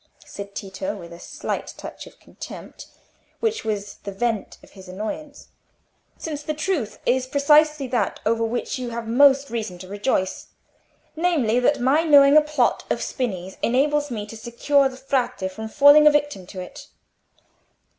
said Tito, with a slight touch of contempt, which was the vent of his annoyance; "since the truth is precisely that over which you have most reason to rejoice—namely, that my knowing a plot of Spini's enables me to secure the Frate from falling a victim to it."